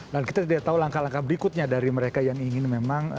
dan kita tidak tahu langkah langkah berikutnya dari mereka yang ingin memang